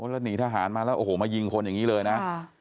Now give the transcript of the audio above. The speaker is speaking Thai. แล้วหนีทหารมาแล้วโอ้โหมายิงคนอย่างนี้เลยนะ